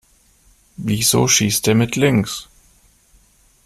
Wieso schießt der mit links?